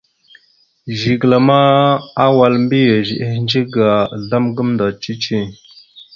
Zigəla ma awal mbiyez ehədze ga azlam gamənda cici.